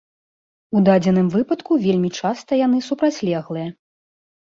У дадзеным выпадку вельмі часта яны супрацьлеглыя.